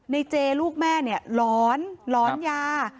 ในเจลูกแม่ร้อนร้อนยา